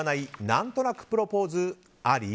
なんとなくプロポーズあり？